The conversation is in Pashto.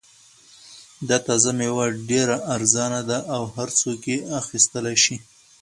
دا تازه مېوه ډېره ارزان ده او هر څوک یې اخیستلای شي.